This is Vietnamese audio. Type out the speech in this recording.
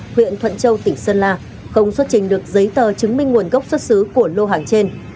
huyện thuận châu tỉnh sơn la không xuất trình được giấy tờ chứng minh nguồn gốc xuất xứ của lô hàng trên